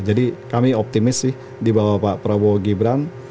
jadi kami optimis sih di bawah pak prabowo dan gibran